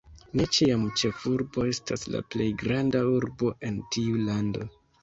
Ne ĉiam ĉefurbo estas la plej granda urbo en tiu lando.